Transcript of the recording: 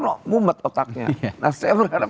ngumbat otaknya nah saya berharap